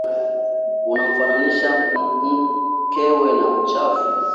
Anamfananisha mkewe na uchafu